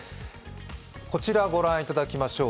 こちらご覧いただきましょう。